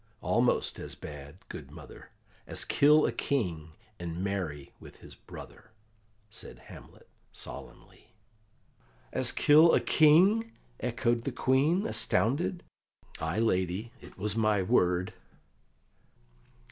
Almost as bad, good mother, as kill a King and marry with his brother," said Hamlet solemnly. "As kill a King?" echoed the Queen, astounded. "Ay, lady, it was my word."